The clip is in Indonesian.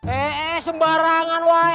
eh sembarangan woy